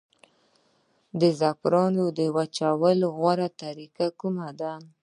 د زعفرانو د وچولو غوره طریقه کومه ده؟